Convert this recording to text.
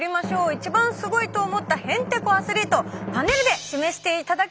一番すごいと思ったへんてこアスリートパネルで示していただきます。